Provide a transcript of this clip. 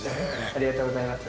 ありがとうございます。